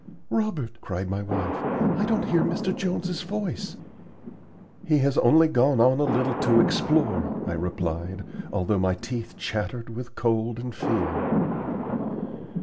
"Robert," cried my wife, "I don't hear Mr. Jones's voice." "He has only gone on a little to explore," I replied, although my teeth chattered with cold and fear.